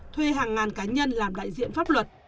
thuê hàng ngàn cá nhân làm đại diện pháp luật